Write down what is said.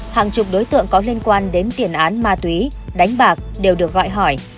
hàng chục đối tượng có liên quan đến tiền án ma túy đánh bạc đều được gọi hỏi